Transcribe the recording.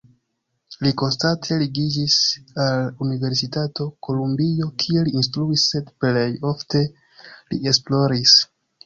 Li konstante ligiĝis al Universitato Kolumbio, kie li instruis, sed plej ofte li esploris.